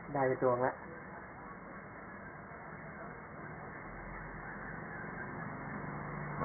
ได้ไปจวงแล้ว